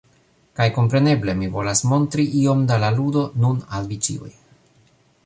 Kaj kompreneble, mi volas montri iom da la ludo nun al vi ĉiuj.